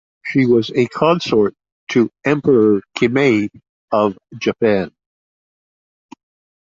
She was a consort to Emperor Kinmei of Japan.